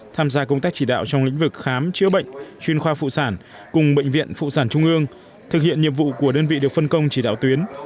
tham gia công tác chỉ đạo trong lĩnh vực khám chữa bệnh chuyên khoa phụ sản cùng bệnh viện phụ sản trung ương thực hiện nhiệm vụ của đơn vị được phân công chỉ đạo tuyến